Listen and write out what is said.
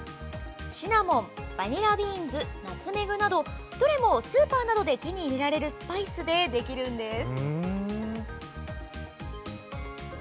シナモン、バニラビーンズナツメグなど、どれもスーパーなどで手に入れられるスパイスでできるんです。